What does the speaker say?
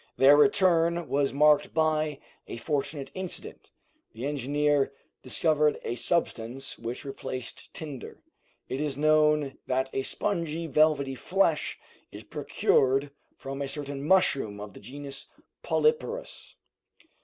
Their return was marked by a fortunate incident; the engineer discovered a substance which replaced tinder. It is known that a spongy, velvety flesh is procured from a certain mushroom of the genus polyporous.